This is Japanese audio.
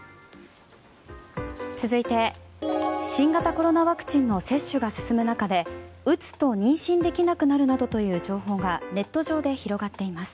続いて新型コロナワクチンの接種が進む中で打つと妊娠できなくなるなどという情報がネット上で広がっています。